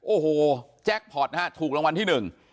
โอ้โหแจ็คพอร์ตนะฮะถูกรางวัลที่หนึ่ง